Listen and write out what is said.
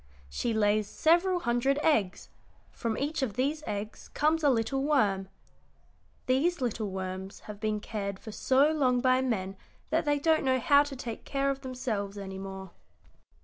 She lays several hundred eggs; from each of these eggs comes a little worm. These little worms have been cared for so long by men that they don't know how to take care of themselves any more.